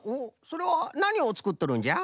それはなにをつくっとるんじゃ？